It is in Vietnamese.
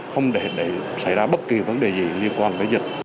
không để xảy ra bất kỳ vấn đề gì liên quan tới dịch